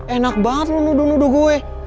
enak banget lu nudu nudu gue